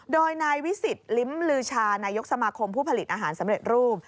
โดยนายวิสิตลิ้มลือชานายกสมาคมผู้ผลิตอาหารสำเร็จรูป